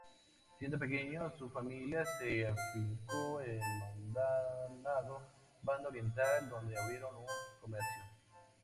Siendo pequeño su familia se afincó en Maldonado, Banda Oriental, donde abrieron un comercio.